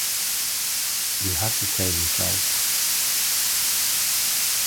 You have to save yourself.